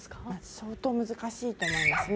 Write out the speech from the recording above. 相当難しいと思いますね。